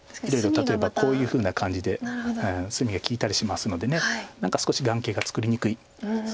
例えばこういうふうな感じで隅が利いたりしますので何か少し眼形が作りにくいです。